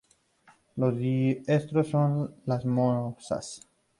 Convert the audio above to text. Los diestros son las mozas.